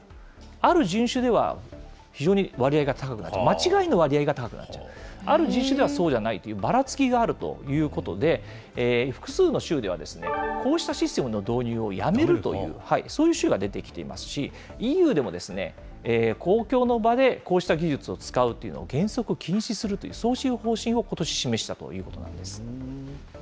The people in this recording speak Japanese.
ある人種では、非常に割合が高くなる、間違いの割合が高くなっちゃう、ある人種ではそうじゃないという、ばらつきがあるということで、複数の州では、こうしたシステムの導入をやめるという、そういう州が出てきていますし、ＥＵでも、公共の場でこうした技術を使うというのを、原則禁止するという、そういう方針をことし示したということなんです。